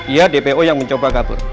ia dpo yang mencoba gabur